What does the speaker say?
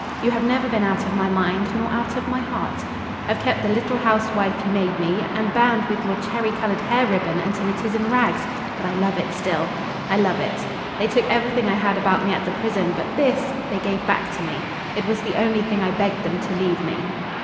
You have never been out of my mind nor out of my heart. I've kept the little housewife you made me and bound with your cherry colored hair ribbon until it is in rags, but I love it still. I love it. They took everything I had about me at the prison; but this they gave back to me. It was the only thing I begged them to leave me."